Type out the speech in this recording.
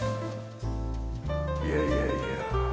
いやいやいや。